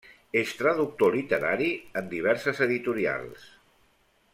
És traductor literari en diverses editorials.